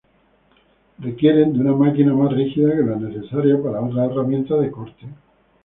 Requieren de una máquina más rígida que la necesaria para otras herramientas de corte.